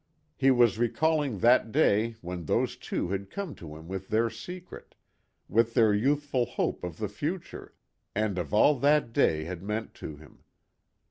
He was recalling that day when those two had come to him with their secret, with their youthful hope of the future, and of all that day had meant to him.